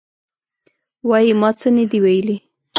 وایي: ما څه نه دي ویلي.